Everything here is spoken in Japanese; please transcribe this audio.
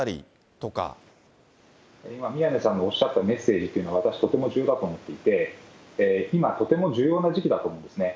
今、宮根さんがおっしゃったメッセージというのは私、とても重要だと思っていて、今とても重要な時期だと思うんですね。